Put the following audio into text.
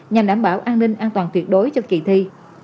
nhằm đảm bảo an ninh an toàn tuyệt đối cho kỳ thi